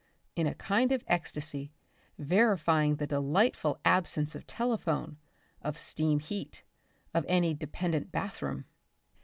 _" in a kind of ecstasy, verifying the delightful absence of telephone, of steam heat, of any dependent bathroom.